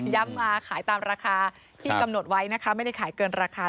มาขายตามราคาที่กำหนดไว้นะคะไม่ได้ขายเกินราคา